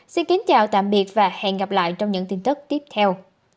xin kính chào tạm biệt và hẹn gặp lại trong những tin tức tiếp theo